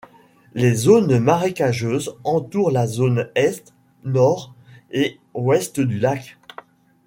Des zones marécageuses entourent la zone est, nord et ouest du lac.